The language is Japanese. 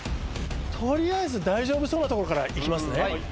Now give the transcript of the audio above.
取りあえず大丈夫そうなところから行きますね。